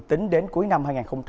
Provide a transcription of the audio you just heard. tính đến cuối năm hai nghìn hai mươi ba